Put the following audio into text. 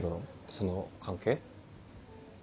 その関係。